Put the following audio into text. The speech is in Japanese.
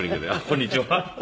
こんにちは。